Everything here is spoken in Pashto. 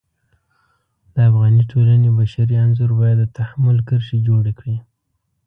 د افغاني ټولنې بشري انځور باید د تحمل کرښې جوړې کړي.